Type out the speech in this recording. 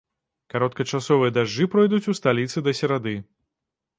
Кароткачасовыя дажджы пройдуць у сталіцы да серады.